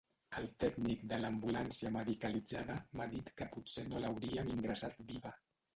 El tècnic de l'ambulància medicalitzada m'ha dit que potser no l'hauríem ingressat viva.